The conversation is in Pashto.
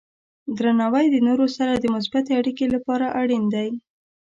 درناوی د نورو سره د مثبتې اړیکې لپاره اړین دی.